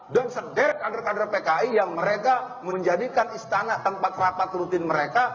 dan sederhana kader kader pki yang mereka menjadikan istana tanpa kerapat rutin mereka